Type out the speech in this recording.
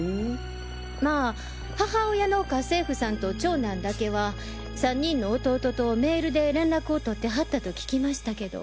まぁ母親の家政婦さんと長男だけは３人の弟とメールで連絡を取ってはったと聞きましたけど。